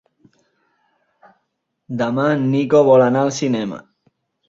Demà en Nico vol anar al cinema.